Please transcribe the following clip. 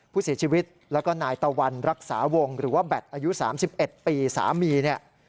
ผู้เสียชีวิตแล้วก็นายตะวันรักษาวงหรือว่าแบตอายุ๓๑ปีสามีเนี่ย